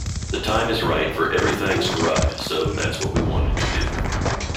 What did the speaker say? The time is right for "Everythang's Corrupt," so that's what we wanted to do.